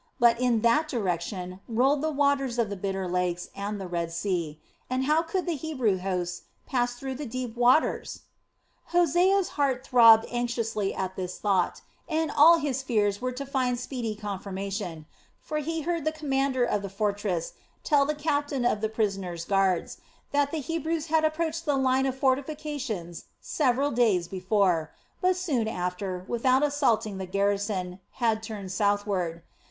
But in that direction rolled the waters of the Bitter Lakes and the Red Sea, and how could the Hebrew hosts pass through the deep waters? Hosea's heart throbbed anxiously at this thought, and all his fears were to find speedy confirmation; for he heard the commander of the fortress tell the captain of the prisoners' guards, that the Hebrews had approached the line of fortifications several days before, but soon after, without assaulting the garrison, had turned southward.